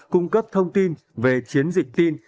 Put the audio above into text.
cung cấp thông tin về chiến dịch tin